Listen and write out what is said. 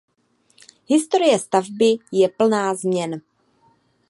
Historie stavby je plná změn.